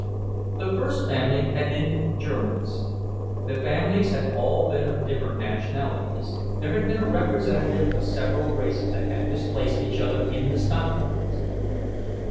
The first family had been Germans. The families had all been of different nationalities—there had been a representative of several races that had displaced each other in the stockyards.